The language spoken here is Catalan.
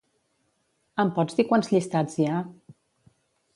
Em pots dir quants llistats hi ha?